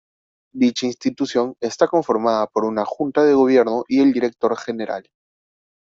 Dicha institución está conformada por una Junta de Gobierno y el Director General.